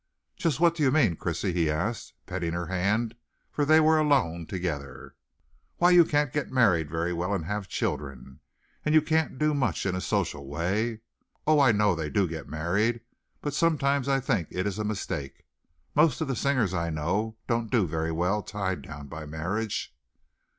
"Just what do you mean, Chrissy?" he asked, petting her hand, for they were alone together. "Why, you can't get married very well and have children, and you can't do much in a social way. Oh, I know they do get married, but sometimes I think it is a mistake. Most of the singers I know don't do so very well tied down by marriage."